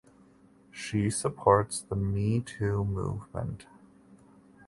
She supports the Me Too movement.